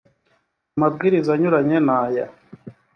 amabwiriza anyuranye n aya